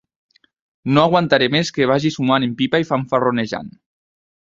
No aguantaré més que vagis fumant en pipa i fanfarronejant.